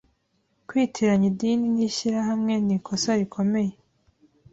kwitiranya idini n’ishyirahamwe nikosa rikomeye